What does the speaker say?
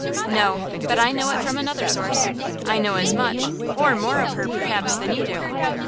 "No: but I know it from another source. I know as much, or more of her, perhaps than you do!"